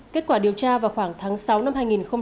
kết quả điều tra vào khoảng tháng sáu năm hai nghìn hai mươi ba